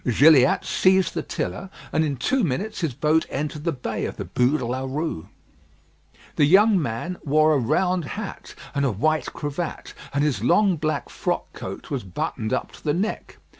Gilliatt seized the tiller, and in two minutes his boat entered the bay of the Bû de la Rue. The young man wore a round hat and a white cravat; and his long black frock coat was buttoned up to the neck.